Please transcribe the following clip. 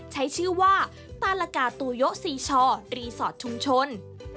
ใช้ชื่อว่าตาลกาโตโยซีชอรีสอร์ทชุมชน